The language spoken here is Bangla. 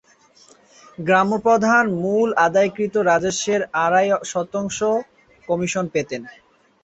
গ্রাম্যপ্রধান মূল আদায়কৃত রাজস্বের আড়াই শতাংশ কমিশন পেতেন।